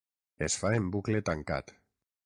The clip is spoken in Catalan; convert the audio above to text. Es fa en bucle tancat.